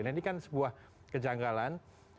nah ini kan sebuah kejanggalan